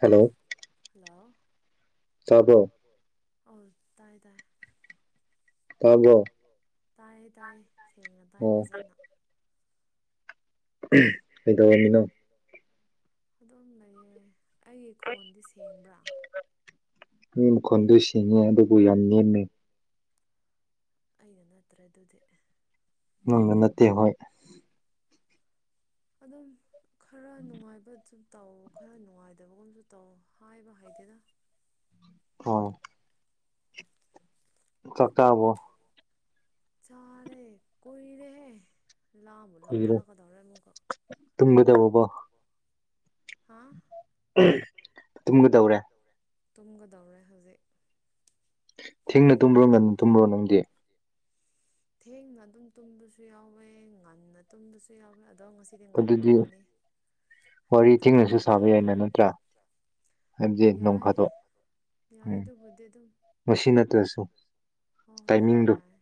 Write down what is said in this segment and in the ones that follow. Hello hello ꯇꯕ꯭ꯔꯣ ꯇꯕ꯭ꯔꯣ ꯑꯣ ꯇꯥꯏ ꯇꯥꯏ ꯇꯥꯕ꯭ꯔꯣ ꯇꯥꯏ ꯇꯥꯏ ꯁꯦꯡꯅ ꯇꯥꯏ ꯐꯖꯅ [inaudible] ꯑꯗꯨꯝ ꯂꯩꯌꯦ ꯑꯩꯒꯤ ꯈꯣꯟꯗꯤ ꯁꯦꯡꯕ꯭ꯔꯥ ꯃꯤ ꯃꯈꯣꯟꯗꯨ ꯁꯤꯡꯉꯦ ꯑꯗꯨꯕꯨ ꯌꯥꯝ ꯅꯦꯝꯃꯦ ꯑꯩꯅ ꯅꯠꯇ꯭ꯔꯦ ꯑꯗꯨꯗꯤ ꯅꯪꯅ ꯅꯠꯇꯦ ꯍꯣꯏ ꯑꯗꯨꯝ ꯈꯔ ꯅꯨꯡꯉꯥꯏꯕ ꯑꯗꯨ ꯇꯧ ꯈꯔ ꯅꯨꯡꯉꯥꯏꯇꯕꯒꯨꯝꯁꯨ ꯇꯧ ꯍꯥꯏꯕ ꯍꯩꯇꯦꯗ ꯍꯣ ꯆꯥꯛ ꯆꯥꯕꯣ ꯆꯥꯔꯦ ꯀꯨꯏꯔꯦꯍꯦ ꯂꯥꯝꯕꯨ ꯂꯝꯈꯠꯂꯛꯀꯗꯧꯔꯦ ꯑꯃꯨꯛꯀ ꯇꯨꯝꯒꯗꯕꯀꯣ ꯍꯥꯥ ꯇꯨꯝꯒꯗꯧꯔꯦ ꯇꯨꯝꯒꯗꯧꯔꯦ ꯍꯧꯖꯤꯛ ꯊꯦꯡꯅ ꯇꯨꯝꯕ꯭ꯔꯣ ꯉꯟꯅ ꯇꯨꯝꯕ꯭ꯔꯣ ꯅꯪꯗꯤ ꯊꯦꯡꯅ ꯑꯗꯨꯝ ꯇꯨꯝꯕꯁꯨ ꯌꯥꯎꯋꯦ ꯉꯟꯅ ꯇꯨꯝꯕꯁꯨ ꯌꯥꯎꯋꯦ ꯑꯗꯣ ꯉꯁꯤ ꯁꯤꯗꯤ ꯉꯟꯅ ꯇꯨꯝꯒꯅꯤ ꯍꯌꯦꯡ ꯊꯕꯛ ꯂꯩ ꯌꯥꯏ ꯌꯥꯏꯗꯨ ꯕꯨꯗꯤ ꯑꯗꯨꯝ ꯉꯁꯤ ꯅꯠꯇ꯭ꯔꯁꯨ ꯍꯣꯏ ꯍꯣꯏ ꯑꯗꯨꯝ ꯌꯥꯔꯦ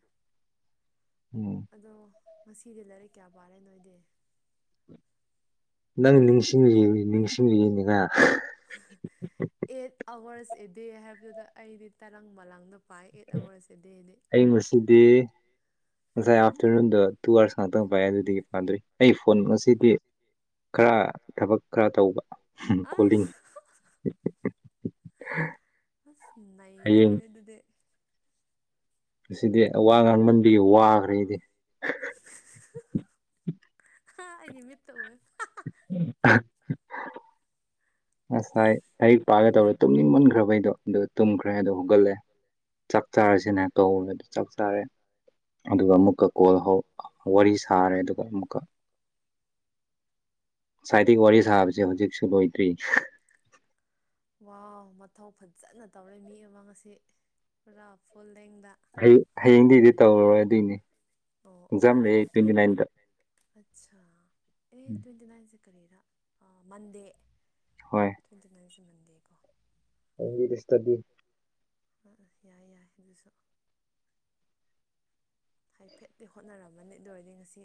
[inaudible] ꯑꯗꯣ ꯉꯁꯤꯗꯤ ꯂꯥꯏꯔꯤꯛ ꯀꯌꯥ ꯄꯥꯔꯦ ꯅꯣꯏꯗꯤ ꯅꯪ ꯅꯤꯡꯁꯤꯡꯂꯤ ꯅꯤꯡꯁꯤꯡꯂꯤꯌꯦꯅꯦꯉ ꯑꯦꯠ ꯑꯋꯥꯔꯁ ꯑꯦꯗꯦ ꯍꯥꯏꯕꯗꯨꯗ ꯑꯩꯗꯤ ꯇꯔꯪꯕꯂꯥꯡꯗ ꯄꯥꯏ ꯑꯩꯠ ꯑꯋꯥꯔꯁ ꯑꯦꯗꯦꯗꯤ ꯑꯩ ꯉꯁꯤꯗꯤ ꯉꯁꯥꯏ ꯑꯥꯞꯇꯔꯅꯨꯟꯗ ꯇꯨ ꯑꯥꯔꯁ ꯉꯥꯛꯇꯪ ꯄꯥꯏ ꯑꯗꯨꯗꯒꯤ ꯄꯥꯗ꯭ꯔꯤ ꯑꯩ ꯐꯣꯟ ꯉꯁꯤꯗꯤ ꯈꯔ ꯊꯕꯛ ꯈꯔ ꯇꯧꯕ ꯀꯣꯂꯤꯡ [unintelligible] ꯑꯁ ꯅꯩꯔꯝꯃꯅꯤ ꯑꯗꯨꯗꯤ꯫ ꯉꯁꯤꯗꯤ ꯋꯥ ꯉꯥꯡꯃꯟꯕꯒꯤ ꯋꯥꯒꯔꯦ ꯑꯩꯗꯤ꯫ ꯑꯩꯒꯤ ꯃꯤꯠꯇ ꯎꯋꯦ꯫ [unintelligible] ꯉꯁꯥꯏ ꯂꯥꯏꯔꯤꯛ ꯄꯥꯒꯦ ꯇꯧꯔꯦ ꯇꯨꯝꯅꯤꯡ ꯃꯟꯈ꯭ꯔꯕ ꯑꯩꯗꯣ ꯑꯗꯨ ꯇꯨꯝꯈ꯭ꯔꯦ ꯑꯗꯣ ꯍꯧꯒꯠꯂꯦ ꯆꯥꯛ ꯆꯥꯔꯁꯤꯅ ꯀꯧꯕ ꯑꯗꯨ ꯆꯥꯛ ꯆꯥꯔꯦ ꯑꯗꯨꯒ ꯑꯃꯨꯛꯀ ꯀꯣꯜ ꯍꯧ ꯋꯥꯔꯤ ꯁꯥꯔꯦ ꯑꯗꯨꯒ ꯑꯃꯨꯛꯀ꯫ ꯁꯥꯏꯗꯩꯩ ꯋꯥꯔꯤ ꯁꯥꯕꯁꯦ ꯍꯧꯖꯤꯛꯁꯨ ꯂꯣꯏꯗ꯭ꯔꯤ꯫ [unintelligible] ꯋꯥꯎ ꯃꯊꯧ ꯐꯖꯅ ꯇꯧꯔꯦ ꯃꯤ ꯑꯃ ꯉꯁꯤ ꯄꯨꯔꯥ ꯐꯨꯜ ꯂꯦꯡꯗ꯫ ꯍꯩ ꯍꯌꯦꯡꯗꯩꯩꯗꯤ ꯇꯧꯔꯔꯣꯏ ꯑꯗꯨꯏꯅꯤ ꯑꯦꯛꯖꯥꯝ ꯂꯩꯌꯦ ꯇ꯭ꯋꯦꯟꯇꯤ ꯅꯥꯏꯟꯗ꯫ ꯑꯠꯆꯥꯥ ꯑꯦ ꯇ꯭ꯋꯦꯟꯇꯤ ꯅꯥꯏꯟꯁꯦ ꯀꯔꯤꯔꯥ ꯑꯥ ꯃꯟꯗꯦ ꯍꯣꯏ ꯇ꯭ꯋꯦꯟꯇꯤꯅꯥꯏꯟꯁꯦ ꯃꯟꯗꯦꯀꯣ ꯑꯣꯡꯂꯤ ꯏꯁꯇꯗꯤ ꯌꯥꯏ ꯌꯥꯏ ꯑꯗꯨꯁꯨ ꯍꯥꯏꯐꯦꯠꯇꯗꯤ ꯍꯣꯠꯅꯔꯝꯃꯅꯤ ꯑꯗꯨ ꯑꯣꯏꯔꯗꯤ ꯉꯁꯤ꯫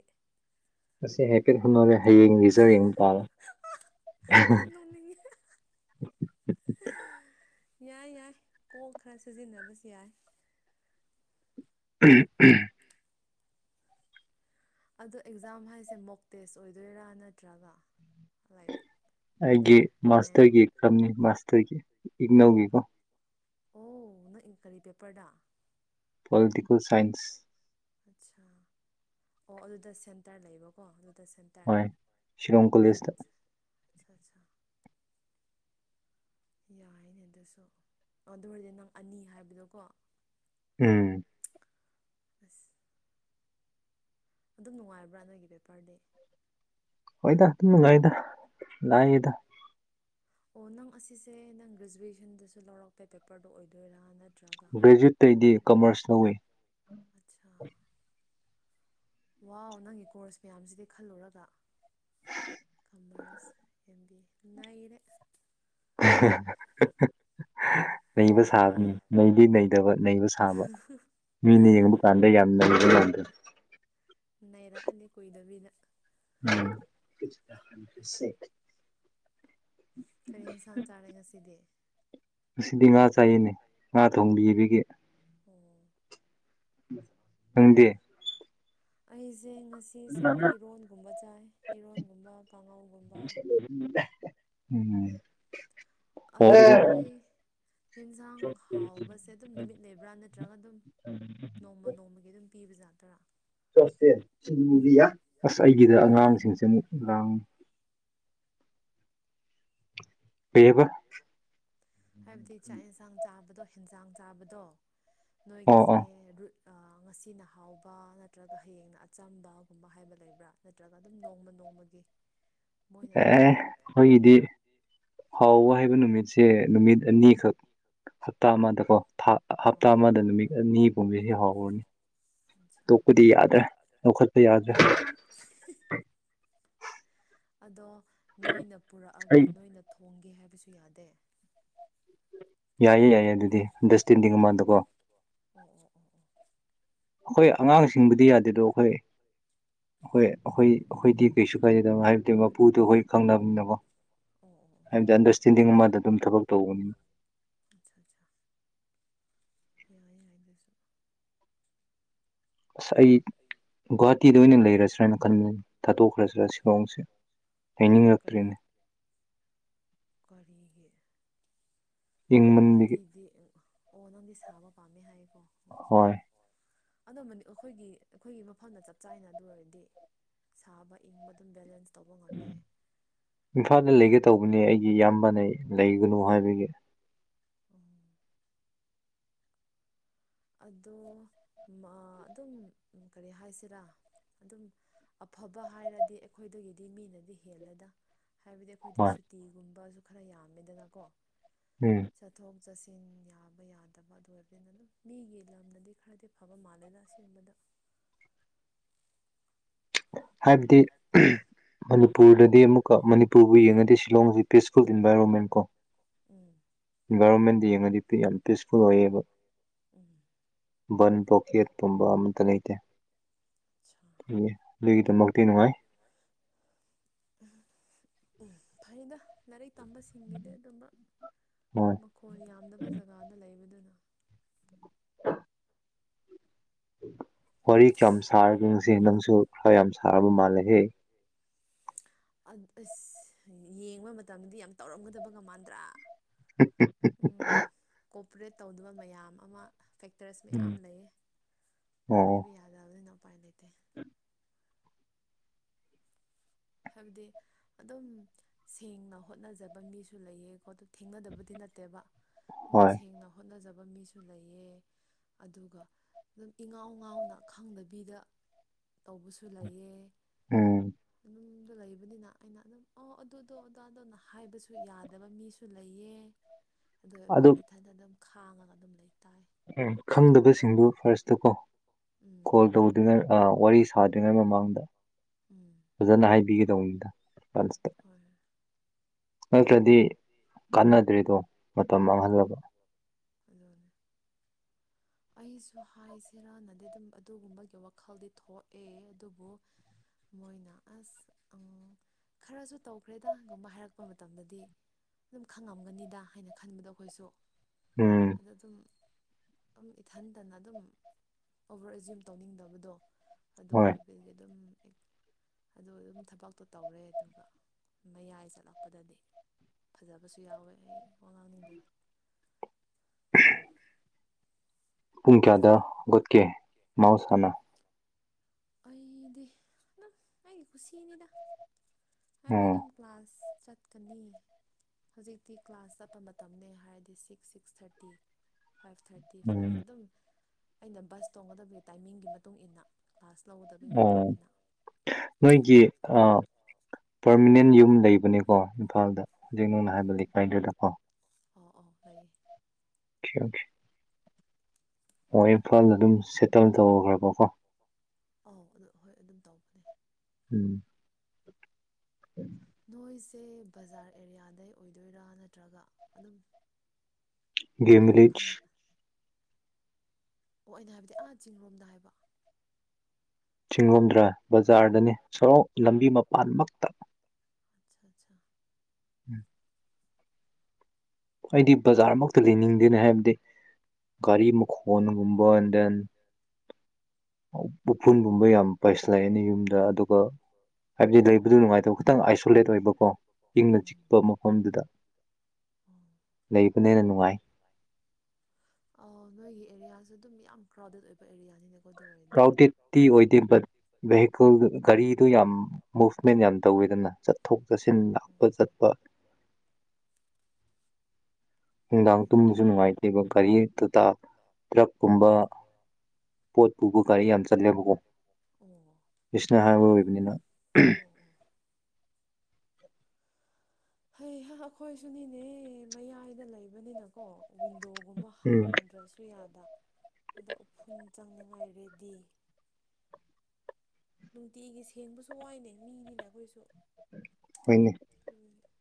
ꯉꯁꯤ ꯍꯥꯏꯐꯦꯠ ꯍꯣꯟꯅꯔꯦ ꯍꯌꯦꯡꯒꯤꯖꯨ ꯌꯦꯡ ꯇꯥꯔꯦ꯫ [unintelligible] ꯌꯥꯏ ꯌꯥꯏ ꯀꯣꯛ ꯈꯔ ꯁꯤꯖꯤꯟꯅꯕꯁꯨ ꯌꯥꯏ꯫ [unintelligible] ꯑꯗꯣ ꯑꯦꯛꯖꯥꯝ ꯍꯥꯏꯁꯦ ꯃꯣꯛ ꯇꯦꯁ ꯑꯣꯏꯗꯣꯏꯔꯥ ꯅꯠꯇ꯭ꯔꯒ ꯂꯥꯏꯛ ꯑꯩꯒꯤ ꯃꯥꯁꯇꯔꯒꯤ ꯀꯝꯅꯤ ꯃꯥꯁꯇꯔꯒꯤ ꯏꯛꯅꯧꯒꯤꯀꯣ ꯑꯣ ꯅꯪ ꯀꯔꯤ ꯄꯦꯄꯔꯗ? ꯄꯣꯂꯤꯇꯤꯀꯦꯜ ꯁꯥꯏꯟꯁ ꯑꯠꯆꯥꯥ ꯑꯣ ꯑꯗꯨꯗ ꯁꯦꯟꯇꯔ ꯂꯩꯕꯀꯣ ꯑꯗꯨꯗ ꯁꯦꯟ ꯇꯔ ꯑꯆꯥ ꯑꯆꯥ ꯆꯥ ꯌꯥꯏꯅꯦ ꯑꯗꯨꯁꯨ ꯑꯗꯨ ꯑꯣꯏꯔꯗꯤ ꯅꯪ ꯑꯅꯤ ꯍꯥꯏꯕꯗꯣꯀꯣ ꯎꯝ ꯑꯁ ꯑꯗꯨꯝ ꯅꯨꯡꯉꯥꯏꯕ꯭ꯔꯥ ꯅꯣꯏꯒꯤ ꯄꯦꯄꯔꯗꯤ? ꯍꯣꯏꯗ ꯗꯨꯝ ꯅꯨꯡꯉꯥꯏꯗ ꯂꯥꯏꯗ꯫ ꯑꯣ ꯅꯪ ꯑꯁꯤꯁꯦ ꯅꯪ ꯒ꯭ꯔꯦꯖꯨꯋꯦꯁꯟꯗꯁꯨ ꯂꯧꯔꯛꯄꯦ ꯄꯦꯄꯔꯗꯣ ꯑꯣꯏꯗꯣꯏꯔꯥ ꯅꯠ ꯒ꯭ꯔꯦꯖꯨꯌꯦꯠꯇꯩꯗꯤ ꯀꯃꯔꯁ ꯂꯧꯋꯦ꯫ ꯑꯆꯥꯥ ꯋꯥꯎ ꯅꯪꯒꯤ ꯀꯣꯔꯁ ꯃꯌꯥꯝꯁꯤꯗꯤ ꯈꯜꯂꯨꯔꯒ ꯀꯃꯔꯁ ꯑꯦꯝꯕꯤ ꯅꯩꯔꯦ [unintelligible] ꯅꯩꯕ ꯁꯥꯕꯅꯤ ꯅꯩꯗꯤ ꯅꯩꯗꯕ ꯅꯩꯕ ꯁꯥꯕ꯫ ꯃꯤꯅ ꯌꯦꯡꯕ ꯀꯥꯟꯗ ꯌꯥꯝ ꯅꯩꯕ ꯃꯟꯗꯔꯣ ꯅꯩꯔꯛꯑꯅꯤ ꯀꯨꯢꯗꯕꯤꯗ ꯎꯝ ꯀꯔꯤ ꯑꯦꯟꯁꯥꯡ ꯆꯥꯔꯦ ꯉꯁꯤꯗꯤ ꯉꯁꯤꯗꯤ ꯉꯥ ꯆꯥꯏꯌꯦꯅꯦ ꯉꯥ ꯊꯣꯡꯕꯤꯌꯦꯕꯤꯒꯤ ꯑꯣ ꯅꯪꯗꯤ ꯑꯩꯁꯦ ꯉꯁꯤꯁꯨ ꯑꯃꯨꯛ ꯏꯔꯣꯟꯒꯨꯝꯕ ꯆꯥꯏ ꯏꯔꯣꯟꯒꯨꯝꯕ ꯀꯥꯡꯍꯧꯒꯨꯝꯕ ꯎꯝ ꯎꯝ ꯑꯗꯣ ꯅꯣꯏ ꯌꯦꯟꯁꯥꯡ ꯍꯥꯎꯕꯁꯦ ꯑꯗꯨꯝ ꯅꯨꯃꯤꯠ ꯂꯩꯕ꯭ꯔꯥ ꯅꯠꯇ꯭ꯔꯒ ꯑꯗꯨꯝ ꯅꯣꯡꯃ ꯅꯣꯡꯃꯒꯤ ꯑꯗꯨꯝ ꯄꯤꯕꯖꯥꯠꯇꯨꯔꯥ ꯆꯠꯇꯦ ꯁꯨꯃꯨꯕꯤꯌꯥ ꯑꯁ ꯑꯩꯒꯤꯗ ꯑꯉꯥꯡꯁꯤꯡꯁꯦ ꯑꯃꯨꯛ ꯂꯥꯡ ꯀꯩꯑꯕ ꯀꯩꯑꯕ ꯍꯥꯢꯕꯗꯤ ꯆꯥꯛ ꯑꯦꯟꯁꯥꯡ ꯆꯥꯕꯗꯣ ꯍꯦꯟꯖꯥꯡ ꯆꯥꯕꯗꯣ ꯅꯣꯏꯒꯤꯁꯦ ꯔꯨꯠ ꯑ ꯉꯁꯤꯅ ꯍꯥꯎꯕ ꯅꯠꯇ꯭ꯔꯒ ꯍꯌꯦꯡꯅ ꯑꯆꯝꯕꯒꯨꯝꯕ ꯍꯥꯏꯕ ꯂꯩꯕ꯭ꯔꯥ ꯅꯠꯇ꯭ꯔꯒ ꯑꯗꯨꯝ ꯅꯣꯡꯃ ꯅꯣꯡꯃꯒꯤ ꯑꯦ ꯈꯣꯢꯒꯤꯗꯤ ꯍꯥꯎꯕ ꯍꯥꯢꯕ ꯅꯨꯃꯤꯠꯁꯦ ꯅꯨꯃꯤꯠ ꯑꯅꯤꯈꯛ ꯍꯞꯇꯥ ꯑꯃꯗꯀꯣ ꯊꯥ ꯍꯞꯇꯥ ꯑꯃꯗ ꯅꯨꯃꯤꯠ ꯑꯅꯤ ꯄꯨꯝꯕꯗꯤ ꯍꯧꯔꯅꯤ ꯑꯄꯗꯤ ꯌꯥꯗ꯭ꯔꯦ ꯂꯧꯈꯠꯄ ꯌꯥꯗ꯭ꯔꯦ ꯑꯗꯣ ꯅꯣꯏꯅ ꯄꯨꯔꯛꯑꯒ ꯅꯣꯏꯅ ꯊꯣꯡꯒꯦ ꯍꯥꯢꯕꯁꯨ ꯌꯥꯗꯦ ꯌꯥꯏꯌꯦ ꯌꯥꯏꯌꯦ ꯑꯗꯨꯗꯤ ꯑꯟꯗꯔꯁꯇꯤꯟꯗꯤꯡ ꯃꯃꯥꯟꯗꯀꯣ ꯑꯣꯥ ꯑꯣ ꯑꯣꯥ ꯑꯣ ꯑꯈꯣꯢ ꯑꯉꯥꯡꯁꯤꯡꯕꯨꯗꯤ ꯌꯥꯗꯦꯗꯣ ꯑꯈꯣꯢ ꯑꯈꯣꯢ ꯑꯈꯣꯢ ꯑꯈꯣꯏꯗꯤ ꯀꯩꯁꯨ ꯀꯥꯢꯗꯦꯗ ꯉꯥꯢꯕꯗꯤ ꯃꯄꯨꯗꯣ ꯑꯒꯣꯏ ꯈꯪꯅꯕꯅꯤꯅ ꯀꯣ ꯑꯣ ꯑꯣ ꯍꯥꯢꯕꯗꯤ ꯑꯟꯗꯔꯁꯇꯦꯟꯗꯤꯡ ꯑꯃꯗ ꯑꯗꯨꯝ ꯊꯕꯛ ꯇꯧꯕꯅꯤꯅ ꯑꯆꯥ ꯑꯆꯥ ꯌꯥꯢꯌꯦ ꯌꯥꯢꯌꯦ ꯑꯗꯨꯁꯨ ꯑꯁ ꯑꯩ ꯕꯥꯠ ꯎꯇꯤꯗ ꯑꯣꯢꯅ ꯂꯩꯔꯁꯤ꯭ꯔꯥꯅ ꯈꯟꯕꯅꯤ ꯊꯥꯠꯇꯣꯛꯈ꯭ꯔꯁꯤꯔꯥ ꯁꯤꯂꯣꯡꯁꯦ ꯂꯩꯅꯤꯡꯉꯛꯇ꯭ꯔꯦꯅꯦ ꯀꯔꯤꯒꯤ ꯒꯨꯍꯥꯇꯤꯗꯤ ꯑꯣ ꯅꯪꯗꯤ ꯁꯥꯕ ꯄꯥꯝꯗꯦ ꯍꯥꯢꯌꯦꯀꯣ ꯑꯣ ꯑꯣ ꯑꯣ ꯑꯅꯝꯕꯅꯦ ꯑꯈꯣꯏꯒꯤ ꯑꯩꯈꯣꯏꯒꯤ ꯃꯐꯝꯗ ꯆꯞ ꯆꯥꯅ ꯑꯗꯨ ꯑꯣꯢꯔꯗꯤ ꯁꯥꯕ ꯏꯪꯕ ꯑꯗꯨꯝ ꯕꯦꯂꯦꯟꯁ ꯏꯝꯐꯥꯜꯗ ꯂꯩꯒꯦ ꯇꯧꯕꯅꯦ ꯑꯩꯒꯤ ꯏꯌꯥꯝꯕꯅ ꯂꯩꯒꯅꯨ ꯍꯥꯢꯕꯒꯤ ꯎꯝ ꯑꯗꯣ ꯃꯥ ꯑꯗꯨꯝ ꯀꯔꯤ ꯍꯥꯢꯁꯤꯔꯥ ꯑꯗꯨꯝ ꯑꯐꯕ ꯍꯥꯢꯔꯗꯤ ꯑꯩꯈꯣꯢꯗꯒꯤꯗꯤ ꯃꯤꯅꯗꯤ ꯍꯦꯜꯂꯗ ꯍꯥꯢꯕꯗꯤ ꯈꯣꯏꯗꯤ ꯁꯨꯇꯤꯒꯨꯝꯕꯁꯨ ꯈꯔ ꯌꯥꯝꯃꯤꯗꯅꯀꯣ ꯎꯝ ꯆꯠꯊꯣꯛ ꯆꯠꯁꯤꯟ ꯌꯥꯕ ꯌꯥꯗꯕ ꯑꯗꯨ ꯑꯣꯢꯔꯕꯅꯤꯅ ꯑꯗꯨꯝ ꯃꯤꯒꯤ ꯂꯝꯗꯗꯤ ꯈꯔꯗꯤ ꯐꯕ ꯃꯥꯜꯂꯦꯗ ꯑꯁꯤꯒꯨꯝꯕꯗ ꯍꯥꯏꯕꯗꯤ ꯃꯅꯤꯄꯨꯔꯗꯗꯤ ꯑꯃꯨꯛꯀ ꯃꯅꯤꯄꯨꯔꯕꯨ ꯌꯦꯡꯉꯗꯤ ꯁꯤꯂꯣꯡꯁꯤ ꯄꯤꯁꯀꯨꯜ ꯏꯟꯚꯥꯏꯔꯣꯃꯦꯟ ꯀꯣ ꯎꯝ ꯏꯟꯚꯥꯏꯔꯣꯟꯃꯦꯟꯗ ꯌꯦꯡꯉꯗꯤ ꯌꯥꯝ ꯄꯤꯁꯀꯨꯜ ꯑꯣꯏꯌꯦꯕ ꯎꯝ ꯕꯟ ꯕꯣꯀꯦꯠꯀꯨꯝꯕ ꯑꯃꯇ ꯂꯩꯇꯦ ꯁꯥ ꯑꯗꯨꯒꯤꯗꯃꯛꯇꯤ ꯅꯨꯡꯉꯥꯏ ꯎꯝ ꯐꯩꯗ ꯂꯔꯤꯛ ꯇꯕꯁꯤ ꯍꯤꯡꯒꯤꯗꯤ ꯑꯗꯨꯝꯕ ꯃꯈꯣꯟ ꯌꯥꯝꯗꯕ ꯖꯒꯥꯗ ꯂꯩꯕꯗꯨꯅ ꯋꯥꯔꯤ ꯀꯌꯥꯝ ꯁꯥꯔꯒꯦ ꯉꯁꯤ ꯅꯪꯁꯨ ꯈꯔ ꯌꯥꯝ ꯁꯥꯔꯕ ꯃꯥꯜꯂꯦꯍꯦ ꯑ ꯑꯁ ꯌꯦꯡꯕ ꯃꯇꯝꯗꯗꯤ ꯌꯥꯝ ꯇꯧꯔꯝꯒꯗꯕꯒ ꯃꯥꯟꯗ꯭ꯔꯥ [unintelligible] ꯎꯝ ꯀꯣꯞꯄꯔꯦꯠ ꯇꯧꯗꯕ ꯃꯌꯥꯝ ꯑꯃ ꯐꯦꯛꯇꯔꯁ ꯃꯌꯥꯝ ꯂꯩꯌꯦ ꯍꯥꯏꯕ ꯌꯥꯗꯕꯅꯤꯅ ꯎꯄꯥꯏ ꯂꯩꯇꯦ ꯍꯥꯏꯕꯗꯤ ꯑꯗꯨꯝ ꯁꯦꯡꯅ ꯍꯣꯠꯅꯖꯕ ꯃꯤꯁꯨ ꯂꯩꯌꯦꯀꯣ ꯑꯗꯨ ꯊꯦꯡꯅꯗꯕꯗꯤ ꯅꯠꯇꯦꯕ ꯑꯗꯨꯝ ꯁꯦꯡꯅ ꯍꯣꯠꯅꯖꯕ ꯃꯤꯁꯨ ꯂꯩꯌꯦ ꯑꯗꯨꯒ ꯗꯨꯝ ꯏꯉꯥꯎ ꯉꯥꯎꯅ ꯈꯪꯗꯕꯤꯗ ꯇꯧꯕꯁꯨ ꯂꯩꯌꯦ ꯎꯝ ꯅꯨꯝꯗ ꯂꯩꯕꯅꯤꯅ ꯑꯩꯅ ꯑꯗꯨꯝ ꯑꯣ ꯑꯗꯨꯗꯣ ꯑꯗꯥꯗꯣ ꯍꯥꯏꯕꯁꯨ ꯌꯥꯗꯕ ꯃꯤꯁꯨ ꯂꯩꯌꯦ [inaudible] ꯑꯗꯨꯒ ꯑꯗꯨꯝ ꯏꯊꯟꯗ ꯑꯗꯨꯝ ꯈꯥꯡꯉꯒ ꯑꯗꯨꯝ ꯂꯩ ꯇꯥꯏ ꯎꯝ ꯈꯪꯗꯕꯁꯤꯡꯗꯨ ꯐꯥꯔꯁꯇꯀꯣ ꯀꯣꯜ ꯇꯧ ꯗꯨꯒꯟ ꯑ ꯋꯥꯔꯤ ꯁꯥꯗ꯭ꯔꯤꯉꯩ ꯃꯃꯥꯡꯗ ꯐꯖꯅ ꯍꯥꯏꯕꯤꯒꯗꯧꯅꯤꯗ ꯄꯁꯇ ꯅꯠꯇ꯭ꯔꯗꯤ ꯀꯥꯟꯅꯗ꯭ꯔꯦꯗꯣ ꯃꯇꯝ ꯃꯥꯡꯍꯜꯂꯒ ꯑꯗꯨꯅꯤ ꯑꯩꯁꯨ ꯍꯥꯏꯁꯤꯔꯅꯗꯤ ꯑꯗꯨꯝ ꯑꯗꯨꯒꯨꯝꯕꯒꯤ ꯋꯥꯈꯜꯗꯤ ꯊꯣꯛꯑꯦ ꯑꯗꯨꯕꯨ ꯃꯣꯏꯅ ꯑꯁ ꯑꯪ ꯈꯔꯁꯨ ꯇꯧꯈ꯭ꯔꯦꯗꯥꯒꯨꯝꯕ ꯍꯥꯏꯔꯛꯄ ꯃꯇꯝꯗꯗꯤ ꯑꯗꯨꯝ ꯈꯪꯉꯝꯒꯅꯤꯗ ꯍꯥꯏꯅ ꯈꯟꯕꯗ ꯑꯈꯣꯏꯁꯨ ꯎꯝ ꯑꯗ ꯑꯗꯨꯝ ꯑꯗꯨꯝ ꯏꯊꯟꯇꯅ ꯑꯗꯨꯝ ꯑꯣꯕ꯭ꯔ ꯑꯦꯖ꯭ꯌꯨꯝ ꯇꯧꯅꯤꯡꯗꯕꯗꯣ ꯑꯗꯨ ꯑꯣꯏ ꯄꯦꯟꯒꯤ ꯑꯗꯨꯝ ꯑꯗꯨ ꯑꯗꯨꯝ ꯊꯕꯛꯇꯣ ꯇꯧꯔꯦ ꯑꯗꯨꯒ ꯃꯌꯥꯏ ꯆꯠꯂꯛꯄꯗꯗꯤ ꯐꯖꯕꯁꯨ ꯌꯥꯎꯋꯦ ꯑꯩ ꯋꯥ ꯉꯥꯡꯅꯤꯡꯗꯦ ꯄꯨꯡ ꯀꯌꯥꯗ ꯍꯧꯒꯠꯀꯦ ꯃꯍꯧꯁꯥꯅ ꯑꯩꯗꯤ ꯗꯨꯝ ꯑꯩꯒꯤ ꯈꯨꯁꯤꯅꯤꯗ ꯍꯥꯏꯕꯗꯤ ꯑꯗꯨꯝ ꯀ꯭ꯂꯥꯁ ꯆꯠꯀꯅꯤ ꯍꯧꯖꯤꯛꯇꯤ ꯀ꯭ꯂꯥꯁ ꯆꯠꯄ ꯃꯇꯝꯅꯦ ꯍꯥꯏꯔꯗꯤ six six thirty five thirty thirty five ꯑꯗꯨꯝ ꯑꯩꯅ ꯕꯁ ꯇꯣꯡꯒꯗꯕꯒꯤ ꯇꯥꯏꯃꯤꯡꯒꯤ ꯃꯇꯨꯡ ꯏꯟꯅ ꯀ꯭ꯂꯥꯁ ꯂꯧꯒꯗꯕꯒꯤ ꯃꯇꯨꯡ ꯏꯟꯅ ꯅꯣꯏꯒꯤ ꯑ ꯄꯔꯃꯤꯅꯦꯟ ꯌꯨꯝ ꯂꯩꯕꯅꯤꯀꯣ ꯏꯝꯐꯥꯜꯗ ꯍꯧꯖꯤꯛ ꯅꯪꯅ ꯍꯥꯏꯕ ꯂꯩꯀꯥꯏꯗꯨꯗꯀꯣ ꯑꯣ ꯑꯣ ꯂꯩꯌꯦ ꯑꯣꯈ‌ꯦ ꯑꯣꯈ‌ꯦ ꯍꯣꯏ ꯏꯝꯐꯥꯜꯗ ꯑꯗꯨꯝ ꯁꯦꯇꯜ ꯇꯧꯒ꯭ꯔꯕ ꯀꯣ ꯑꯧ ꯑꯗꯨ ꯍꯣꯏ ꯑꯗꯨꯝ ꯇꯧꯕꯅꯦ ꯎꯝ ꯅꯣꯏꯁꯦ ꯕꯖꯥꯔ ꯑꯦꯔꯤꯌꯥꯗꯩ ꯑꯣꯏꯗꯣꯏꯔꯥ ꯅꯠꯇ꯭ꯔꯒ ꯑꯗꯨꯝ ꯃꯤꯅ ꯈꯪ ꯑꯣ ꯑꯩꯅ ꯍꯥꯏꯕꯗꯤ ꯑꯥ ꯆꯤꯡꯔꯣꯝꯗ ꯍꯥꯏꯕ ꯆꯤꯡꯔ‌ꯣꯝꯗꯔ ꯕꯖꯥꯔꯗꯅꯤ ꯁꯣꯔꯣꯛ ꯂꯝꯕꯤ ꯃꯄꯥꯟꯃꯛꯇ ꯑꯠꯁꯥ ꯑꯠꯁꯥ ꯎꯝ ꯑꯩꯗꯤ ꯕꯖꯥꯔ ꯃꯛꯇ ꯂꯩꯅꯤꯡꯗꯦꯅꯦ ꯍꯥꯏꯕꯗꯤ ꯒꯥꯔꯤ ꯃꯈꯣꯟꯒꯨꯝꯕ ꯑꯦꯟ ꯗꯦꯟ ꯎꯐꯨꯟꯒꯨꯝꯕ ꯌꯥꯝ ꯄꯥꯏꯁꯤꯜꯂꯛꯑꯦꯅꯦ ꯌꯨꯝꯗ ꯑꯗꯨꯒ ꯍꯥꯏꯕꯗꯤ ꯂꯩꯕꯗꯨ ꯅꯨꯡꯉꯥꯏꯇꯕ ꯈꯤꯇꯪ ꯑꯥꯏꯁꯣꯂꯦꯠ ꯑꯣꯏꯕꯀꯣ ꯏꯪꯅ ꯆꯤꯛꯄ ꯃꯐꯝꯗꯨꯗ ꯂꯩꯕꯅ ꯍꯦꯟꯅ ꯅꯨꯡꯉꯥꯏ ꯑꯧ ꯅꯣꯏꯒꯤ ꯑꯦꯔꯤꯌꯥꯖꯨ ꯗꯨꯝ ꯌꯥꯝ ꯀ꯭ꯔꯥꯎꯗꯦꯗ ꯑꯣꯏꯕ ꯑꯦꯔꯤꯌꯥꯅꯤꯅꯦ ꯀ꯭ꯔꯥꯎꯗꯦꯇꯤ ꯑꯣꯏꯗꯦ ꯕꯠ ꯚꯦꯍꯤꯀꯜ ꯒꯥꯔꯤꯗꯨ ꯌꯥꯝ ꯃꯨꯚꯃꯦꯟ ꯌꯥꯝ ꯇꯧꯋꯦꯗꯅ ꯆꯠꯊꯣꯛ ꯆꯠꯁꯤꯟ ꯂꯥꯛꯄ ꯆꯠꯄ ꯅꯨꯡꯗꯥꯡ ꯇꯨꯝꯕꯁꯨ ꯅꯨꯡꯉꯥꯏꯇꯦꯕ ꯒꯥꯔꯤ ꯇꯥꯇꯥ ꯇ꯭ꯔꯛ ꯀꯨꯝꯕ ꯄꯣꯠ ꯄꯨꯕ ꯒꯥꯔꯤ ꯌꯥꯝ ꯆꯠꯂꯦꯕꯀ‌ꯣ ꯑꯣ ꯅꯦꯁꯅꯦꯜ ꯍꯥꯏꯋꯦ ꯑꯣꯏꯕꯥꯅꯤꯅ ꯍꯩꯍꯥ ꯑꯈꯣꯏꯁꯨꯅꯤꯅꯦ ꯃꯌꯥꯏꯗ ꯂꯩꯕꯅꯤꯅꯀꯣ ꯋꯤꯟꯗꯣ ꯒꯨꯝꯕ ꯍꯥꯡꯗ꯭ꯔꯥꯁꯨ ꯌꯥꯗ ꯑꯗꯣ ꯎꯐꯨꯜ ꯆꯪꯅꯤꯡꯉꯥꯏ ꯔꯦꯗꯤ ꯅꯨꯡꯇꯤꯒꯤ ꯁꯦꯡꯕꯥꯁꯨ ꯋꯥꯏꯅꯦ ꯃꯤꯅꯤꯅ ꯑꯈꯣꯏꯁꯨ ꯍꯣꯏꯅꯦ [unintelligible]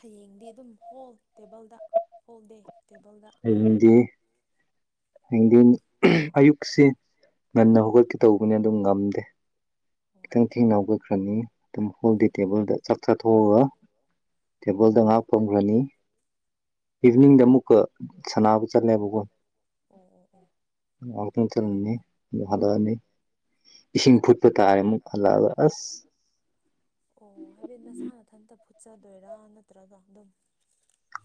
ꯍꯌꯦꯡꯗꯤ ꯑꯗꯨꯝ ꯍꯣꯜ ꯇꯦꯕꯜꯗ ꯍꯣꯜꯗꯦ ꯇꯦꯕꯜꯗ [unintelligible] ꯗꯤ ꯍꯌꯦꯡꯗꯤ ꯑꯌꯨꯛꯁꯤ ꯉꯟꯅ ꯍꯧꯒꯠꯀꯦ ꯇꯧꯕꯅꯤ ꯑꯗꯨ ꯉꯝꯗꯦ ꯈꯤꯇꯪ ꯊꯦꯡꯅꯥ ꯍꯧꯒꯠꯈ꯭ꯔꯥꯅꯤ ꯑꯗꯨꯝ ꯍꯣꯜꯗꯦ ꯇꯦꯕꯜꯗ ꯆꯥꯛ ꯆꯥꯊꯣꯛꯑꯒ ꯇꯦꯕꯜꯗ ꯉꯍꯥꯛ ꯐꯝꯈ꯭ꯔꯅꯤ ꯏꯚꯤꯅꯤꯡꯗ ꯃꯨꯛꯀ ꯁꯥꯟꯅꯕ ꯆꯠꯂꯦꯕꯀ‌ꯣ ꯑꯣ ꯑꯣ ꯑꯣ ꯉꯥꯛꯇꯪ ꯆꯜꯂꯅꯤ ꯑꯗꯨꯒ ꯍꯜꯂꯛꯑꯅꯤ ꯏꯁꯤꯡ ꯐꯨꯠꯄ ꯇꯥꯏ ꯃꯨꯛ ꯍꯜꯂꯛꯑꯒ ꯑꯁ ꯑꯣ ꯍꯥꯏꯕꯗꯤ ꯅꯁꯥ ꯅꯊꯟꯇ ꯐꯨꯠꯆꯗꯣꯏꯔꯥ ꯅꯠꯇ꯭ꯔꯒ ꯗꯨꯝ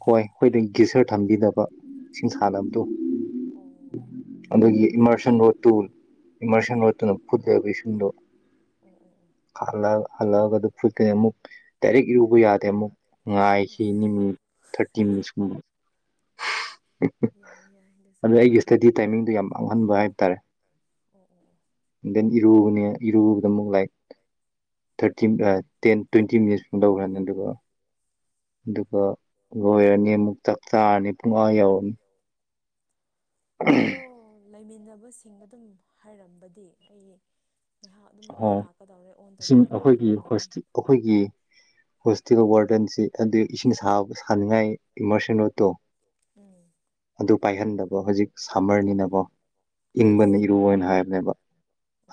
ꯍꯣꯏ ꯈꯣꯏꯗꯤ ꯒꯤꯆꯔ ꯊꯝꯕꯤꯗꯕ ꯏꯁꯤꯡ ꯁꯥꯍꯟꯅꯕꯗꯣ ꯑꯣ ꯑꯗꯨꯒꯤ ꯏꯃꯔꯁꯟ ꯔꯣꯗ ꯇꯨ ꯏꯃꯔꯁꯟ ꯔꯣꯗꯇꯨꯅ ꯐꯨꯠꯂꯒ ꯏꯁꯤꯡꯗꯣ ꯍꯥꯜꯂꯛꯑ ꯍꯜꯂꯛꯑꯒ ꯑꯗꯨ ꯐꯨꯠꯀꯅꯤ ꯑꯃꯨꯛ ꯗꯥꯏꯔꯦꯛ ꯏꯔꯨꯕ ꯌꯥ ꯑꯦꯃꯨꯛ ꯉꯥꯏꯈꯤꯅꯤ ꯃꯤꯅꯤꯠ ꯊꯥꯔꯇꯤ ꯃꯤꯅꯤꯠꯁ ꯀꯨꯝꯕ ꯑꯗꯨ ꯑꯩꯒꯤ ꯁꯇꯥꯗꯤ ꯇꯥꯏꯃꯤꯡꯗꯣ ꯌꯥꯝ ꯑꯉꯟꯕ ꯍꯥꯏꯇꯥꯔꯦ ꯑꯣ ꯑꯣ ꯑꯣ ꯗꯦꯟ ꯏꯔꯨꯕꯅꯦ ꯏꯔꯨꯕꯗꯥ ꯑꯃꯨꯛ ꯂꯥꯏꯛ ꯊꯥꯔꯇꯤ ꯃꯤ ꯑꯥ ꯇꯦꯟ ꯇ꯭ꯋꯦꯟꯇꯤ ꯃꯤꯅꯤꯁ ꯃꯨꯛ ꯂꯧꯒ꯭ꯔꯥꯅꯤ ꯑꯗꯨꯒ ꯑꯗꯨꯒꯥ ꯂꯣꯏꯔꯅꯤ ꯑꯃꯨꯛ ꯔꯅꯤ ꯑꯃꯨꯛ ꯆꯥꯛꯆꯔꯅꯤ ꯋꯥ ꯌꯧꯔꯅꯤ ꯑꯥꯗꯣ ꯂꯩꯃꯤꯟꯅꯥꯕꯁꯤꯡꯗꯥꯗꯨꯝ ꯍꯥꯏꯔꯝꯕꯥꯗꯤ ꯑꯩ__ ꯉꯥꯏꯍꯥꯛ ꯑꯗꯨꯝ ꯑꯩ ꯂꯥꯛꯀꯥꯗꯧꯔꯦ ꯑꯣꯟ ꯇꯧꯕꯤꯔꯝꯃꯣ ꯒꯨꯝꯕ ꯑꯗꯨꯝ ꯑꯈꯣꯏꯒꯤ ꯍꯣꯁꯇꯦꯜ ꯋꯥꯔꯗꯟꯁꯤ ꯑꯗꯨꯏ ꯏꯁꯤꯡ ꯁꯥꯕ ꯁꯥꯥꯟꯅꯤꯡꯉꯥꯏ ꯏꯃꯥꯔꯁꯟ ꯔꯣꯠꯇꯣ ꯎꯝ ꯑꯗꯨ ꯄꯥꯏꯍꯟꯗꯥꯕ ꯍꯧꯖꯤꯛ ꯁꯥꯃꯔꯅꯤꯅꯥꯀꯣ ꯏꯪꯕꯥꯅ ꯏꯔꯨꯋꯣꯅ ꯍꯥꯏꯕꯅꯦꯕ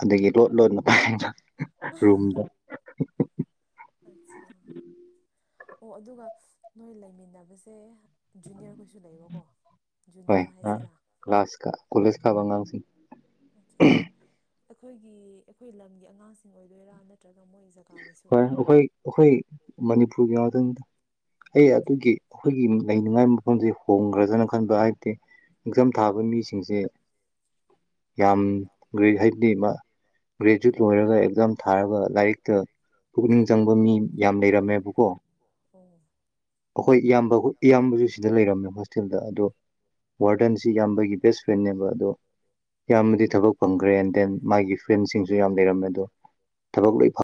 ꯑꯗꯥꯒꯤ ꯂꯣꯠ ꯂꯣꯠꯅꯥ ꯄꯥꯏꯕꯥ ꯔꯨꯝꯗꯥ ꯑꯠꯁꯥ ꯑꯣ ꯑꯗꯨꯒ ꯅꯣꯏ ꯂꯩꯃꯤꯟꯅꯥꯕꯁꯦ ꯖꯨꯅꯤꯌꯥꯔ ꯈꯣꯏꯁꯨ ꯂꯩꯕꯥ ꯀꯣ ꯖꯨꯅꯤꯌꯥꯔ ꯍꯥꯏꯁꯦꯔꯥ [unintelligible] ꯑꯠꯁꯥ ꯆꯥ ꯑꯈꯣꯏꯒꯤ ꯑꯩꯈꯣꯏ ꯂꯝꯒꯤ ꯑꯉꯥꯡꯁꯤꯡ ꯑꯣꯏꯗꯣꯏꯔꯥ ꯅꯠꯇ꯭ꯔꯒꯥ ꯃꯣꯏ__ ꯖꯒꯥꯒꯤꯁꯨ ꯍꯣꯏ ꯑꯈꯣꯏꯒꯤ ꯃꯅꯤꯄꯨꯔꯒꯤ ꯉꯥꯛꯇꯥꯅꯤꯗꯥ ꯑꯩ ꯑꯗꯨꯒꯤ ꯑꯈꯣꯏꯒꯤ ꯂꯩꯅꯤꯡꯉꯥꯏ __ ꯃꯐꯝꯗꯤ ꯍꯣꯡꯒꯔꯥꯗꯦꯅ ꯈꯟꯕꯥ ꯍꯥꯏꯕꯗꯤ ꯑꯦꯛꯖꯥꯝ ꯊꯥꯕ ꯃꯤꯁꯤꯡꯁꯦ ꯌꯥꯝ ꯂꯨꯏ ꯍꯥꯏꯕꯗꯤꯕ ꯒ꯭ꯔꯦꯖꯨꯋꯦꯠ ꯂꯣꯏꯔꯒ ꯑꯦꯛꯖꯥꯝ ꯊꯥꯔꯒ ꯂꯥꯏꯔꯤꯛ ꯇꯥ ꯄꯨꯛꯅꯤꯡ ꯆꯪꯕ ꯃꯤ ꯌꯥꯝ ꯂꯩꯔꯝꯃꯦꯕꯥꯀꯣ ꯎꯝ ꯑꯩꯈꯣꯏ ꯏꯌꯥꯝꯕ ꯍꯣ ꯏꯌꯥꯝꯕꯁꯨ ꯁꯤꯗ ꯂꯩꯔꯝꯃꯦ ꯍꯣꯁꯇꯦꯜꯗ ꯑꯗꯣ ꯋꯥꯔꯗꯟꯁꯤ ꯏꯌꯥꯝꯕꯒꯤ ꯕꯦꯁ ꯐ꯭ꯔꯦꯟꯅꯦꯕ ꯑꯗꯣ ꯏꯌꯥꯝꯕꯗꯤ ꯊꯕꯛ ꯐꯪꯈ꯭ꯔꯦ ꯑꯦꯟ ꯗꯦꯟ ꯃꯥꯒꯤ ꯐ꯭ꯔꯦꯟꯁꯤꯡꯁꯨ ꯌꯥꯝ ꯂꯩꯔꯝꯃꯦ ꯑꯗꯣ ꯊꯕꯛ ꯂꯣꯏ ꯐꯥ__